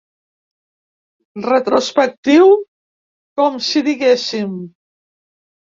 Retrospectiu, com si diguéssim.